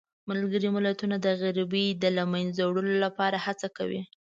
ملګري ملتونه د غریبۍ د له منځه وړلو لپاره هڅه کوي.